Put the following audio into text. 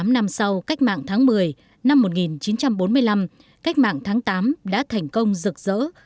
bốn mươi năm năm sau cách mạng tháng một mươi năm một nghìn chín trăm bốn mươi năm cách mạng tháng tám đã thành công rực rỡ